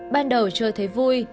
ban đầu chưa thấy vui